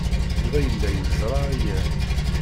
Yuba yella yeẓra aya.